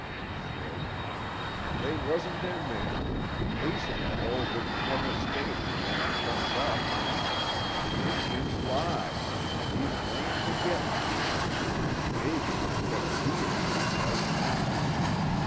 he shrilled, "They wasn't in there. Ace In The Hole wouldn't never stayed in there an' burnt up! The Injuns lied! An' he's layin' to git me. Mebbe he's got a bead on me right now!"